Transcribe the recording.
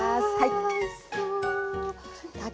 あおいしそう。